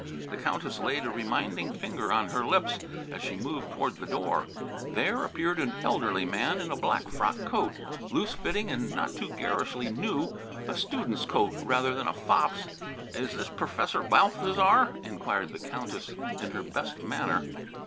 The Countess laid a reminding finger on her lips, as she moved toward the door. There appeared an elderly man, in a black frockcoat, loose fitting and not too garishly new, a student's coat rather than a fop's. "Is this Perfesser Balthasar?" inquired the Countess in her best manner.